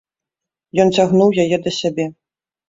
Ён цягнуў яе да сябе.